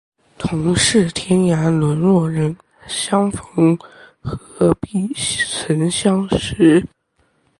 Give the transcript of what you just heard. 同是天涯沦落人，相逢何必曾相识